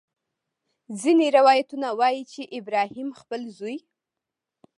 ځینې روایتونه وایي چې ابراهیم خپل زوی.